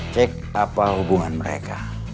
cek apa hubungan mereka